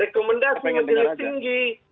rekomendasi majelis tinggi